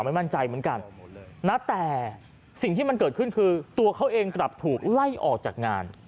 ไม่มั่นใจเหมือนกันนะแต่สิ่งที่มันเกิดขึ้นคือตัวเขาเองกลับถูกไล่ออกจากงาน